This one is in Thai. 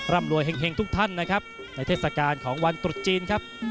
ร่ำรวยแห่งทุกท่านนะครับในเทศกาลของวันตรุษจีนครับ